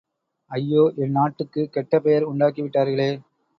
ஐயோ, என் நாட்டுக்குக் கெட்ட பெயர் உண்டாக்கி விட்டார்களே!